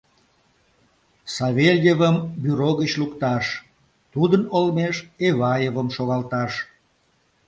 — Савельевым бюро гыч лукташ, тудын олмеш Эваевым шогалташ!..